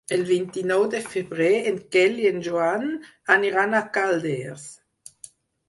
El vint-i-nou de febrer en Quel i en Joan aniran a Calders.